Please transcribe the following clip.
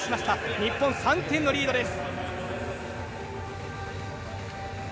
日本、３点のリードです。